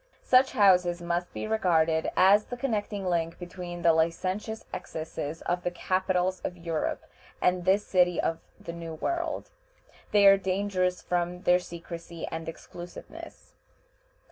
Such houses must be regarded as the connecting link between the licentious excesses of the capitals of Europe and this city of the New World. They are dangerous from their secrecy and exclusiveness.